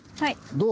どう？